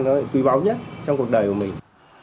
nó quý báu nhất trong cuộc đời của mình